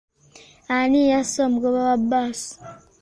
Ani yasse omugoba wa bbaasi?